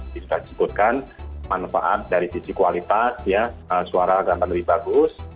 sudah disebutkan manfaat dari sisi kualitas ya suara akan lebih bagus